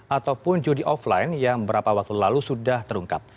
ataupun judi online yang beberapa waktu lalu sudah terungkap